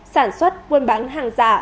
sản xuất quân bán hàng giả